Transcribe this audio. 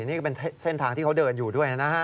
นี่ก็เป็นเส้นทางที่เขาเดินอยู่ด้วยนะฮะ